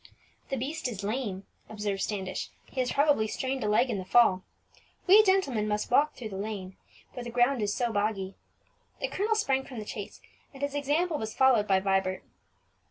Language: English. "The beast is lame," observed Standish; "he has probably strained a leg in the fall. We gentlemen must walk through the lane, where the ground is so boggy." The colonel sprang from the chaise, and his example was followed by Vibert.